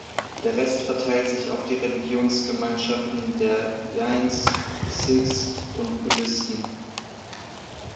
Der Rest verteilt sich auf die Religionsgemeinschaften der Jains, Sikhs und Buddhisten.